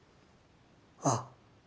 ああ。